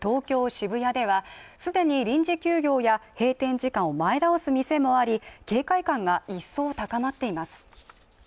渋谷ではすでに臨時休業や閉店時間を前倒す店もあり警戒感が一層高まっています